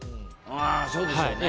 ああそうでしょうね。